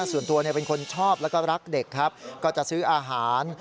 ส่วนตัวเป็นคนชอบแล้วก็รักเด็กครับก็จะซื้ออาหาร